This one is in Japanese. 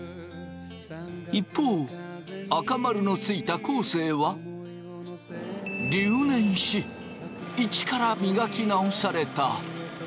一方赤丸のついた昴生は留年し一から磨き直された。